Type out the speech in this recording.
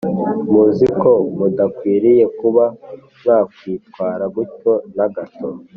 muziko mudakwiriye kuba mwakwitwara gutyo na gato